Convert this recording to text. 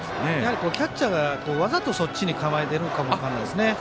やはりキャッチャーはわざと、そっちに構えてるかも分からないですね。